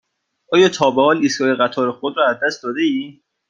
آیا تا به حال ایستگاه قطار خود را از دست داده ای؟